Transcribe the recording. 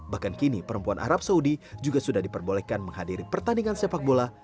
bahkan kini perempuan arab saudi juga sudah diperbolehkan menghadiri pertandingan sepak bola